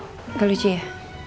enggak lucu ya